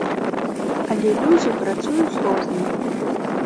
Але людзі працуюць розныя.